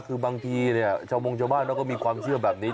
คือบางทีเจ้ามงเจ้าบ้านก็มีความเชื่อแบบนี้